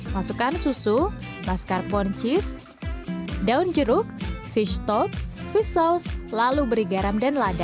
masukkan susu mascarpone cheese daun jeruk fish stock fish sauce lalu beri garam dan lada